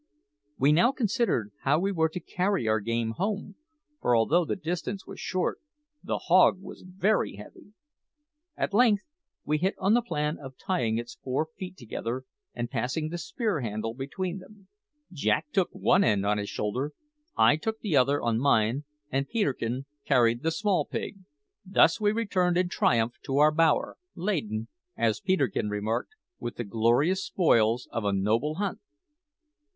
We now considered how we were to carry our game home, for, although the distance was short, the hog was very heavy. At length we hit on the plan of tying its four feet together, and passing the spear handle between them. Jack took one end on his shoulder, I took the other on mine, and Peterkin carried the small pig. Thus we returned in triumph to our bower, laden, as Peterkin remarked, with the glorious spoils of a noble hunt.